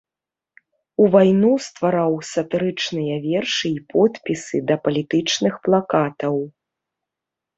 У вайну ствараў сатырычныя вершы і подпісы да палітычных плакатаў.